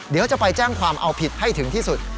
เดี๋ยวจะไปแจ้งความเอาผิดให้ถึงที่สุด